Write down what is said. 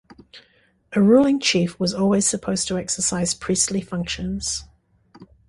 A ruling chief was always supposed to exercise priestly functions.